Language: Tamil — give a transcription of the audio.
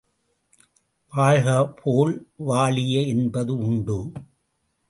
வாழ்க போல் வாழிய என்பது உண்டு.